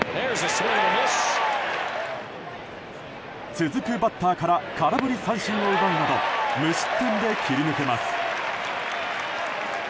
続くバッターから空振り三振を奪うなど無失点で切り抜けます。